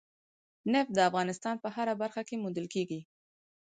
نفت د افغانستان په هره برخه کې موندل کېږي.